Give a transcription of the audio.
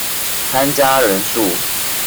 參加人數